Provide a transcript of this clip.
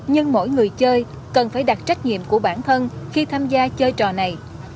nhưng mỗi người chơi cần phải đặt trách nhiệm của bản thân khi tham gia chơi trò này